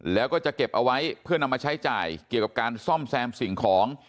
แล้วก็จะเก็บเอาไว้เพื่อนำมาใช้จ่ายเกี่ยวกับการซ่อมแซมสิ่งของ